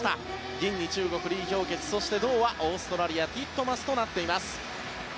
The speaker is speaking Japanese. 銀に中国、リ・ヒョウケツそして銅はオーストラリアティットマスとなっています。